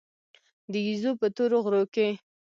د ګېزو په تورو غرو کې.